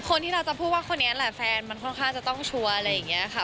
คนที่เราจะพูดว่าคนนี้แหละแฟนมันค่อนข้างจะต้องชัวร์อะไรอย่างนี้ค่ะ